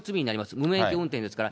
無免許運転ですから。